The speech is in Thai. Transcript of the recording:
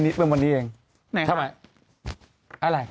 เมื่อกี้วันนี้เองไหนครับ